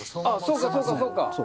あっそうかそうかそうか。